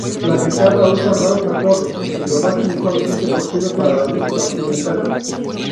La guitarra usa raros acordes, y lo más inusualmente posible para la música occidental.